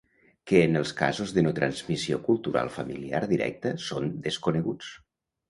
que en els casos de no transmissió cultural familiar directa són desconeguts